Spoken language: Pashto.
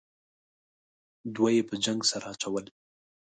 دوه یې په جنگ سره اچول.